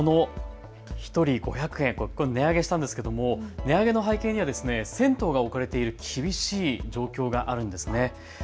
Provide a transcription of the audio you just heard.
１人５００円値上げしたんですけれども値上げの背景には銭湯が置かれている厳しい状況があるんです。